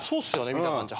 見た感じ。